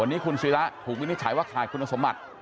วันนี้คุณศิระถูกวินิจฉัยว่าขาดคุณสมบัติ